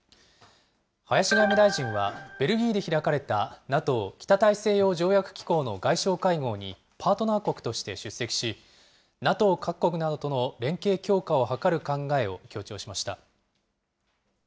林外務大臣は、ベルギーで開かれたＮＡＴＯ・北大西洋条約機構の外相会合にパートナー国として出席し、ＮＡＴＯ各国などとの連携強化を図る考えを強調しました。